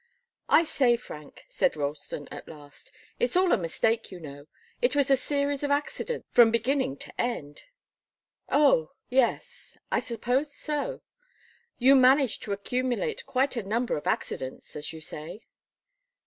"I say, Frank," said Ralston, at last, "it's all a mistake, you know. It was a series of accidents from beginning to end." "Oh yes I suppose so. You managed to accumulate quite a number of accidents, as you say."